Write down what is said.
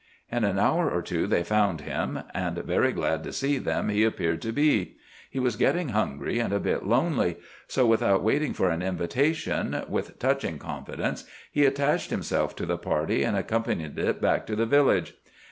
In an hour or two they found him. And very glad to see them he appeared to be. He was getting hungry, and a bit lonely. So without waiting for an invitation, with touching confidence he attached himself to the party, and accompanied it back to the village.